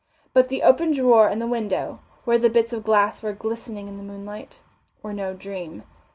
But the open drawer and the window, where the bits of glass were glistening in the moonlight, were no dream.